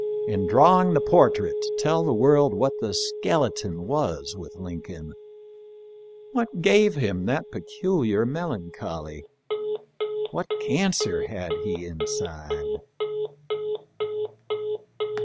In drawing the portrait tell the world what the skeleton was with Lincoln. What gave him that peculiar mel ancholy? What cancer had he inside?